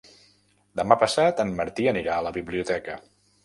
Demà passat en Martí anirà a la biblioteca.